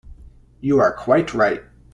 You are quite right.